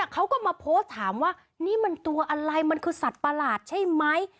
เขาก็มาโพสต์ถามว่านี่มันตัวอะไรมันคือสัตว์ประหลาดใช่ไหม